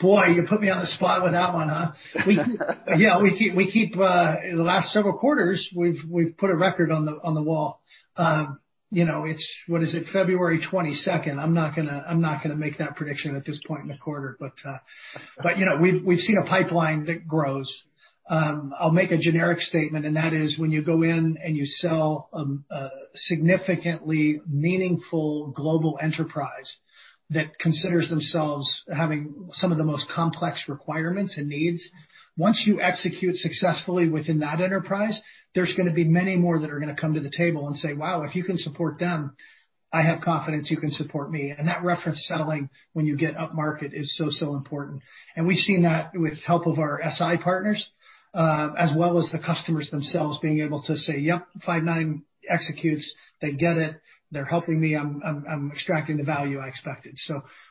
Boy, you put me on the spot with that one, huh? Yeah. The last several quarters, we've put a record on the wall. What is it? February 22nd. I'm not gonna make that prediction at this point in the quarter. We've seen a pipeline that grows. I'll make a generic statement, and that is when you go in and you sell a significantly meaningful global enterprise that considers themselves having some of the most complex requirements and needs. Once you execute successfully within that enterprise, there's gonna be many more that are gonna come to the table and say, "Wow, if you can support them, I have confidence you can support me." That reference selling when you get up-market is so important. We've seen that with help of our SI partners, as well as the customers themselves being able to say, "Yep, Five9 executes. They get it. They're helping me. I'm extracting the value I expected.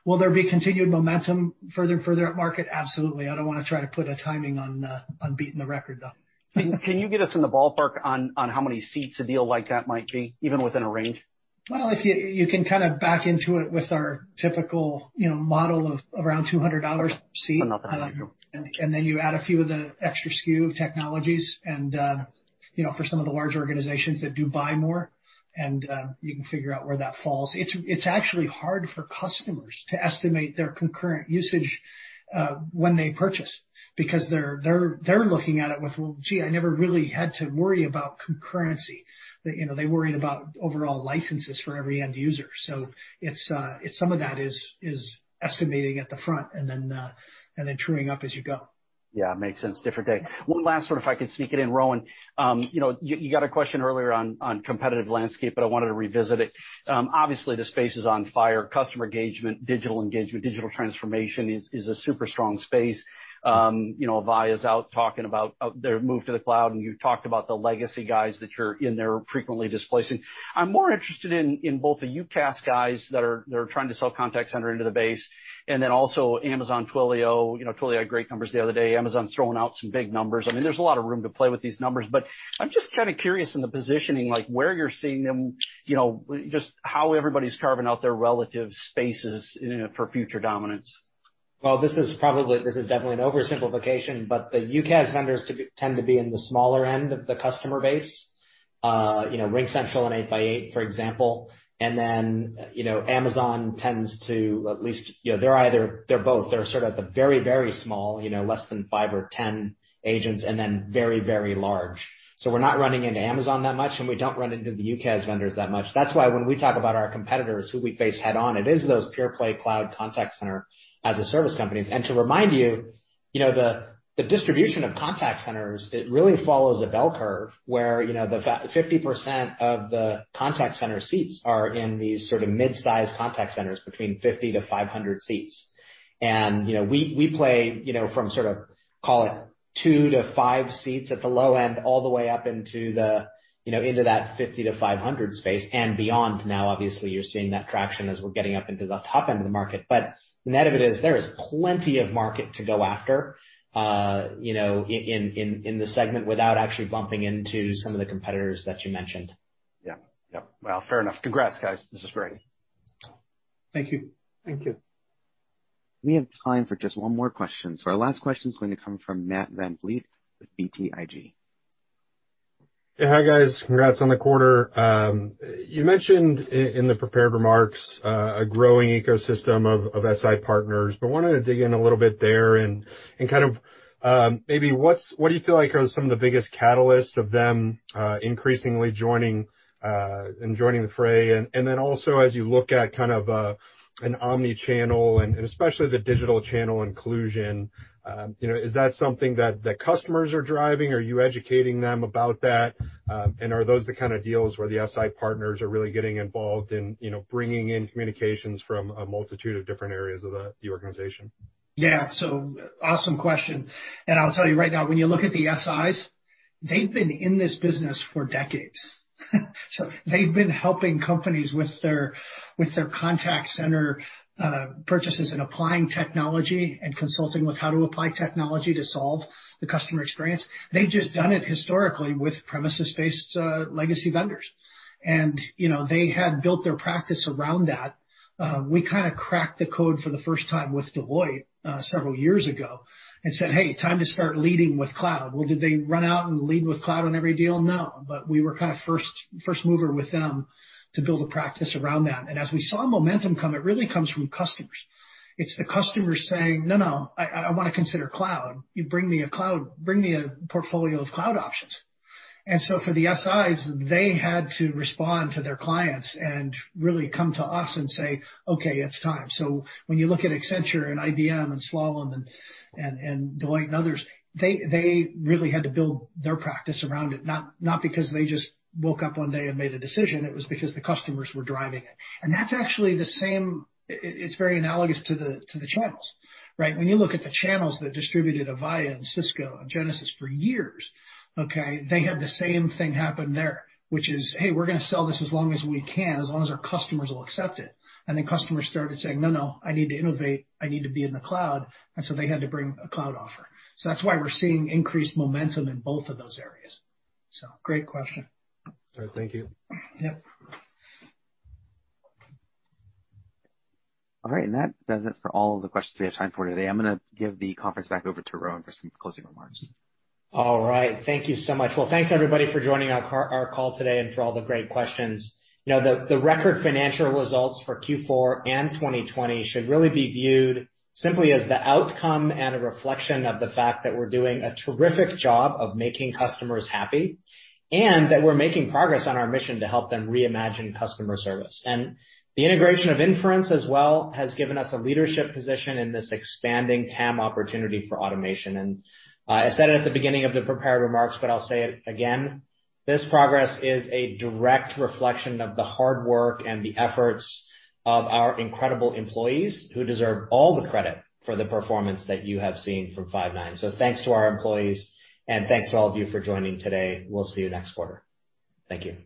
Will there be continued momentum further up market? Absolutely. I don't want to try to put a timing on beating the record, though. Can you get us in the ballpark on how many seats a deal like that might be, even within a range? Well, you can kind of back into it with our typical model of around $200 a seat. Another one. Then you add a few of the extra SKU of technologies and, for some of the large organizations that do buy more, and you can figure out where that falls. It's actually hard for customers to estimate their concurrent usage when they purchase, because they're looking at it with, "Well, gee, I never really had to worry about concurrency." They're worrying about overall licenses for every end user. Some of that is estimating at the front and then trueing up as you go. Yeah, makes sense. Different day. One last one if I could sneak it in, Rowan. You got a question earlier on competitive landscape, but I wanted to revisit it. Obviously, the space is on fire. Customer engagement, digital engagement, digital transformation is a super strong space. Avaya's out talking about their move to the cloud, and you talked about the legacy guys that you're in there frequently displacing. I'm more interested in both the UCaaS guys that are trying to sell contact center into the base, and then also Amazon, Twilio. Twilio had great numbers the other day. Amazon's throwing out some big numbers. There's a lot of room to play with these numbers, but I'm just kind of curious in the positioning, like where you're seeing them, just how everybody's carving out their relative spaces for future dominance. This is definitely an oversimplification, but the UCaaS vendors tend to be in the smaller end of the customer base. RingCentral and 8x8, for example. Amazon tends to, they're sort of at the very small, less than five or 10 agents, and then very large. We're not running into Amazon that much, and we don't run into the UCaaS vendors that much. That's why when we talk about our competitors who we face head on, it is those pure-play cloud contact center as a service companies. To remind you, the distribution of contact centers, it really follows a bell curve where 50% of the contact center seats are in these sort of mid-size contact centers between 50-500 seats. We play from sort of call it two to five seats at the low end all the way up into that 50-500 space and beyond now. Obviously, you're seeing that traction as we're getting up into the top end of the market. The net of it is, there is plenty of market to go after in the segment without actually bumping into some of the competitors that you mentioned. Yep. Well, fair enough. Congrats, guys. This is great. Thank you. Thank you. We have time for just one more question, our last question's going to come from Matt VanVliet with BTIG. Yeah. Hi, guys. Congrats on the quarter. You mentioned in the prepared remarks, a growing ecosystem of SI partners, but wanted to dig in a little bit there and kind of maybe what do you feel like are some of the biggest catalysts of them increasingly joining the fray? Also as you look at kind of an omni-channel and especially the digital channel inclusion, is that something that the customers are driving? Are you educating them about that? Are those the kind of deals where the SI partners are really getting involved in bringing in communications from a multitude of different areas of the organization? Awesome question. I'll tell you right now, when you look at the SIs, they've been in this business for decades. They've been helping companies with their contact center purchases and applying technology and consulting with how to apply technology to solve the customer experience. They've just done it historically with premises-based legacy vendors. They had built their practice around that. We cracked the code for the first time with Deloitte several years ago and said, "Hey, time to start leading with cloud." Well, did they run out and lead with cloud on every deal? No. We were first mover with them to build a practice around that. As we saw momentum come, it really comes from customers. It's the customers saying, "No, I want to consider cloud. You bring me a cloud, bring me a portfolio of cloud options." For the SIs, they had to respond to their clients and really come to us and say, "Okay, it's time." When you look at Accenture and IBM and Slalom and Deloitte and others, they really had to build their practice around it, not because they just woke up one day and made a decision. It was because the customers were driving it. That's actually the same, it's very analogous to the channels, right? When you look at the channels that distributed Avaya and Cisco and Genesys for years, Okay, they had the same thing happen there, which is, "Hey, we're going to sell this as long as we can, as long as our customers will accept it." Customers started saying, "No, I need to innovate. I need to be in the cloud." They had to bring a cloud offer. That's why we're seeing increased momentum in both of those areas. Great question. All right. Thank you. Yep. All right. That does it for all of the questions we have time for today. I'm going to give the conference back over to Rowan for some closing remarks. All right. Thank you so much. Well, thanks everybody for joining our call today and for all the great questions. The record financial results for Q4 and 2020 should really be viewed simply as the outcome and a reflection of the fact that we're doing a terrific job of making customers happy, and that we're making progress on our mission to help them reimagine customer service. The integration of Inference as well has given us a leadership position in this expanding TAM opportunity for automation. I said it at the beginning of the prepared remarks, but I'll say it again, this progress is a direct reflection of the hard work and the efforts of our incredible employees, who deserve all the credit for the performance that you have seen from Five9. Thanks to our employees, and thanks to all of you for joining today. We'll see you next quarter. Thank you.